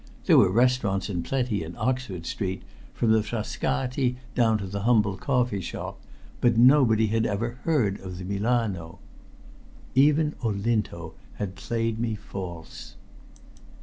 There were restaurants in plenty in Oxford Street, from the Frascati down to the humble coffeeshop, but nobody had ever heard of the "Milano." Even Olinto had played me false!